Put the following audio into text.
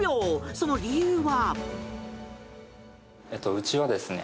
その理由は。